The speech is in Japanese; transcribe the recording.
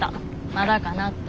まだかなって。